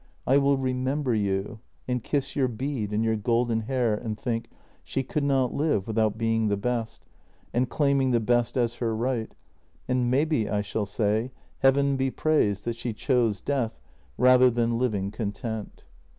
I will remember you, and kiss your bead and your golden hair and think: She could not live without being the best, and claiming the best as her right; and maybe I shall say: Heaven be praised that she chose death rather than living content.